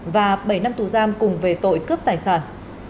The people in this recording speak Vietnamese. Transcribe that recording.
và bảy năm tù giam cùng về tội cướp tài sản